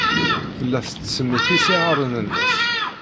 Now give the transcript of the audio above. Tella tettsemmit isihaṛen-nnes.